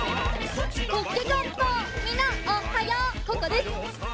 ここです！